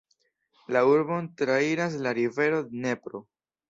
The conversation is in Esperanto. La urbon trairas la rivero Dnepro.